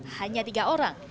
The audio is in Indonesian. hanya tiga orang